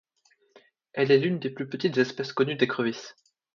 Elle est l'une des plus petites espèces connues d'écrevisses.